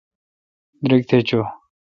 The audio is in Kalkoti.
دیرگ تھ چو۔